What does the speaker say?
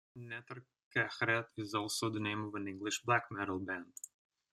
Neter-Khertet is also the name of an English black metal band.